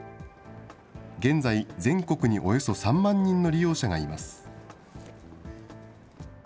現在、全国におよそ３万人の利用者がいます。